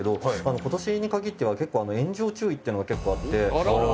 今年に限っては結構炎上注意っていうのが結構あって。